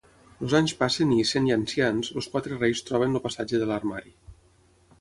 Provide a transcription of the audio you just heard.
Els anys passen i, sent ja ancians, els quatre reis troben el passatge de l'armari.